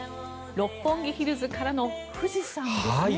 六本木ヒルズからの富士山ですね。